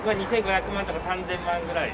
２５００万とか３０００万ぐらい。